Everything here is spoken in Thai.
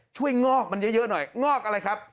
งอกมันเยอะหน่อยงอกอะไรครับ